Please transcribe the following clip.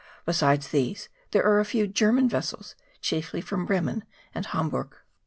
Besides these there are a few German vessels, chiefly from Bremen and Hamburgh.